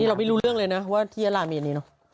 เราไม่รู้เรื่องเลยนะว่าที่ยาลามีอันนี้เนอะ